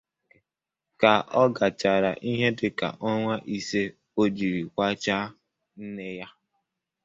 Ka ọ gachara ihe dịka ọnwa ise o jiri kwachaa nna ya